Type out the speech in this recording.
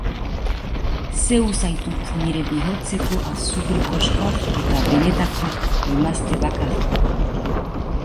Zeu zaitut nire bihotzeko azukre koxkor eta benetako emazte bakarra.